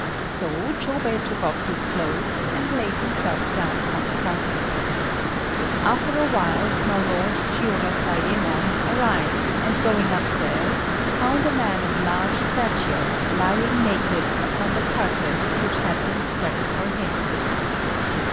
So Chôbei took off his clothes and laid himself down upon the carpet. After a while my Lord Jiurozayémon arrived, and going upstairs found a man of large stature lying naked upon the carpet which had been spread for him.